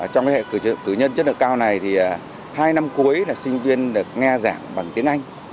trong hệ cử nhân chất lượng cao này thì hai năm cuối là sinh viên được nghe giảng bằng tiếng anh